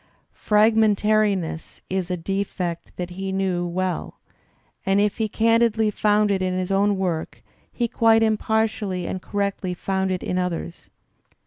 Fragmentariness is a defect that he knew well, and if he candidly found it in his own work he quite impartially and correctly found it in others.